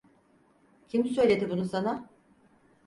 Kim söyledi bunu sana?